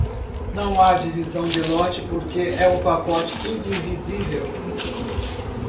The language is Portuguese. Não há divisão de lote porque é um pacote indivisível.